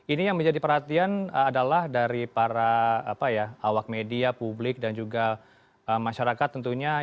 ini yang menjadi perhatian adalah dari para awak media publik dan juga masyarakat tentunya